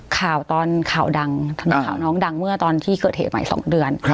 ข่าวตอนข่าวดังทำไมข่าวน้องดังเมื่อตอนที่เกิดเหตุใหม่๒เดือน